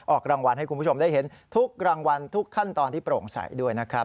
ออกรางวัลให้คุณผู้ชมได้เห็นทุกรางวัลทุกขั้นตอนที่โปร่งใสด้วยนะครับ